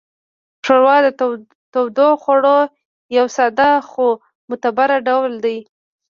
ښوروا د تودوخوړو یو ساده خو معتبر ډول دی.